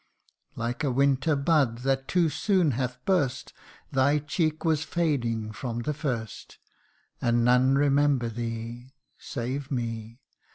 Like a winter bud that too soon hath burst, Thy cheek was fading from the first 78 THE UNDYING ONE. And none remember thee Save me